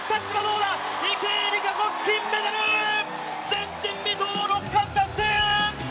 前人未踏、６冠達成！